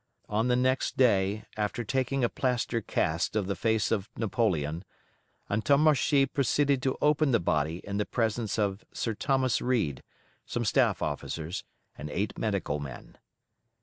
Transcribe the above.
On the next day, after taking a plaster cast of the face of Napoleon, Antommarchi proceeded to open the body in the presence of Sir Thomas Reade, some staff officers, and eight medical men.